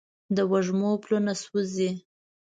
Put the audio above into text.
د وږمو پلونه سوزي